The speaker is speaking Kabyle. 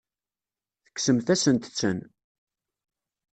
Tekksemt-asent-ten.